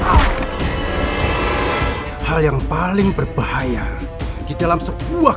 di jabatan sri beliefs itu hasilnya tidak mengguturkan